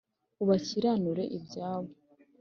ubakiranurire ibyabo.